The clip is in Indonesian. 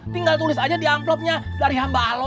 tinggal tulis aja di amplopnya dari hamba lo